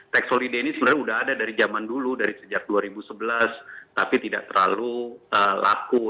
tax holiday ini sebenarnya sudah ada dari zaman dulu dari sejak dua ribu sebelas tapi tidak terlalu laku